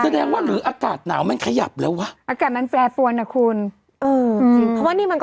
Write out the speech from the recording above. แสดงว่าหรืออากาศหนาวมันขยับแล้ววะ